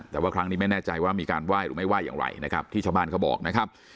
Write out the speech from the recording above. แต่ว่าครั้งนี้ไม่แน่ใจว่ามีการไหว้หรือไม่ไหว้อย่างไรนะครับที่ชาวบ้านเขาบอกนะครับ